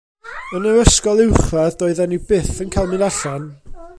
Yn yr ysgol uwchradd doeddan ni byth yn cael mynd allan.